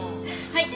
はい。